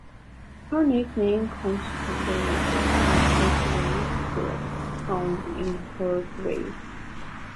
Her nickname comes from the richness of the grave goods found in her grave.